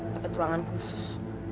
dapet ruangan khusus